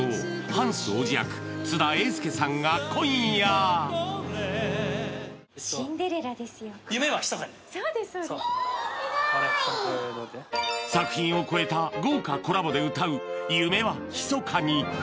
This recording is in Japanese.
ハンス王子役津田英佑さんが今夜作品を超えた豪華コラボで歌う「夢はひそかに」